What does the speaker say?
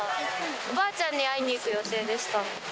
おばあちゃんに会いに行く予定でした。